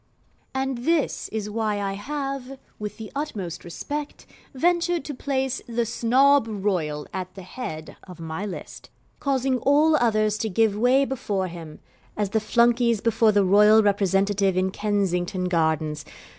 And this is why I have, with the utmost respect, ventured to place The Snob Royal at the head of my list, causing all others to give way before him, as the Flunkeys before the royal representative in Kensington Gardens.